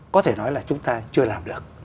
có thể nói là chúng ta chưa làm được